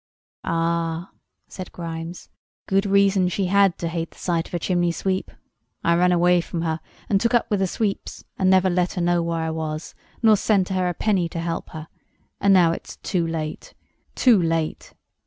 "Ah!" said Grimes, "good reason she had to hate the sight of a chimney sweep. I ran away from her and took up with the sweeps, and never let her know where I was, nor sent her a penny to help her, and now it's too late—too late!"